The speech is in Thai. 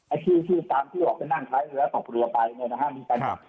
อาทิตย์ที่ตามที่บอกเป็นนั่งท้ายเงินและต่อผลัวไปเนี่ยนะครับ